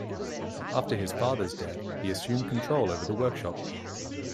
After his father's death, he assumed control over the workshop.